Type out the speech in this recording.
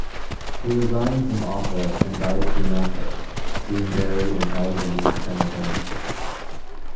He resigned from office and died soon after, being buried in Allegheny Cemetery.